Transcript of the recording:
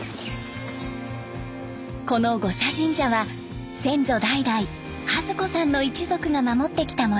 この五社神社は先祖代々和子さんの一族が守ってきたもの。